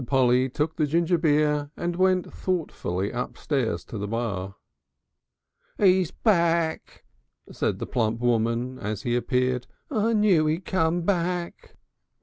Polly took the ginger beer and went thoughtfully upstairs to the bar. "'E's back," said the plump woman as he appeared. "I knew 'e'd come back."